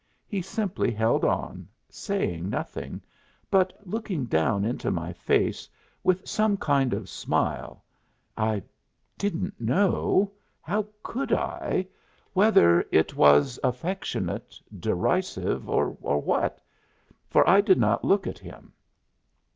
He simply held on, saying nothing, but looking down into my face with some kind of smile I didn't know how could I? whether it was affectionate, derisive, or what, for I did not look at him.